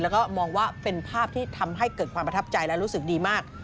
แล้วก็มองว่าเป็นภาพที่ทำให้เกิดความประทับใจและรู้สึกดีมาก